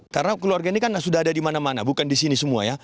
karena keluarga ini kan sudah ada di mana mana bukan di sini semua ya